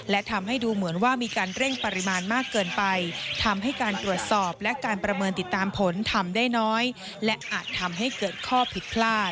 และทำให้ดูเหมือนว่ามีการเร่งปริมาณมากเกินไปทำให้การตรวจสอบและการประเมินติดตามผลทำได้น้อยและอาจทำให้เกิดข้อผิดพลาด